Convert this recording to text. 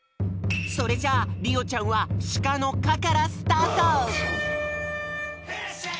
それじゃありおちゃんはしかの「か」からスタート！